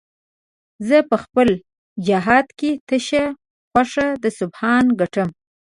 زه په خپل جهاد کې تشه خوښه د سبحان ګټم